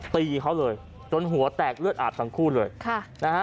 ตีเขาเลยจนหัวแตกเลือดอาบทั้งคู่เลยค่ะนะฮะ